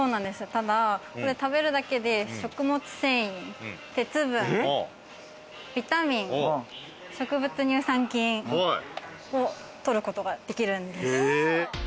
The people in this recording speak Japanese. ただ、食べるだけで食物繊維、鉄分、ビタミン、植物乳酸菌を取ることができるんです。